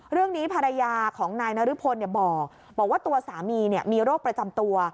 เรื่องนี้ภรรยาของนายนรพลบอกว่าตัวสามีมีโรคประจำตัว